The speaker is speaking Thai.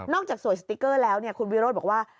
จากสวยสติ๊กเกอร์แล้วคุณวิโรธบอกว่า